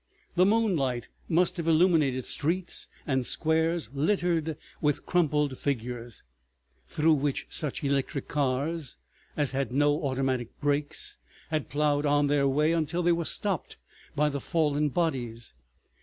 The moonlight must have illuminated streets and squares littered with crumpled figures, through which such electric cars as had no automatic brakes had ploughed on their way until they were stopped by the fallen bodies.